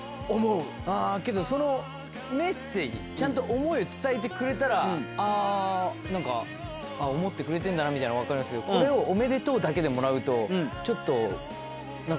あぁけどそのメッセージちゃんと思いを伝えてくれたらあぁ何か思ってくれてんだなみたいの分かりますけどこれを「おめでとう」だけでもらうとちょっと何か。